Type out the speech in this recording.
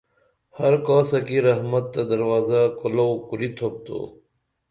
ہر کاسہ کی رحمت تہ درازہ کولو کُریتُھوپ تو